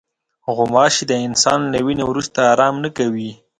غوماشې د انسان له وینې وروسته آرام نه کوي.